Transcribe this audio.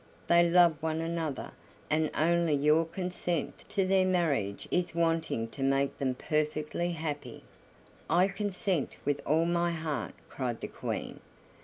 They love one another, and only your consent to their marriage is wanting to make them perfectly happy." "I consent with all my heart," cried the Queen.